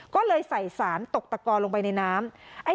ก็เลยใส่สารตกตะกอลงไปในน้ำ